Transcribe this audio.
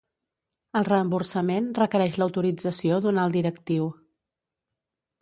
El reemborsament requereix l'autorització d'un alt directiu.